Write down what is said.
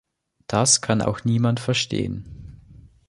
Das kann auch niemand verstehen.